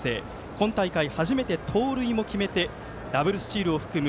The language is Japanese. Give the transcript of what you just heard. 今大会初めて盗塁も決めてダブルスチールを含む